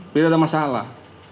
tidak ada masalah